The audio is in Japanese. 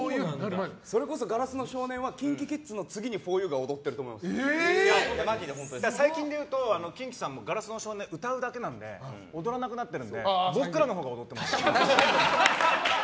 それこそ「硝子の少年」はＫｉｎＫｉＫｉｄｓの次に最近でいうとキンキさんも「硝子の少年」を歌うだけなので踊らなくなってるんで僕らのほうが踊ってます。